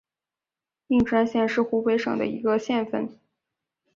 应山县是湖北省的一个县份。